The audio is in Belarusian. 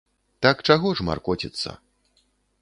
Так чаго ж маркоціцца.